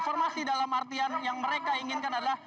informasi dalam artian yang mereka inginkan adalah